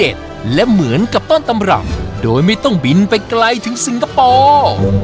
และเหมือนกับต้นตำรับโดยไม่ต้องบินไปไกลถึงสิงคโปร์